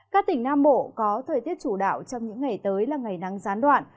các tỉnh nam bộ có thời tiết chủ đạo trong những ngày tới là ngày nắng gián đoạn